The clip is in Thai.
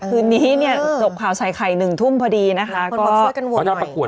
คืนนี้เนี้ยตกข่าวใส่ไข่หนึ่งทุ่มพอดีนะคะล่ะรอประกวดแล้ว